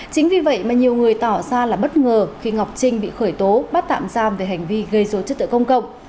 chính vì vậy mà nhiều người tỏ ra là bất ngờ khi ngọc trinh bị khởi tố bắt tạm giam về hành vi gây dối chất tự công cộng